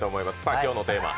今日のテーマ？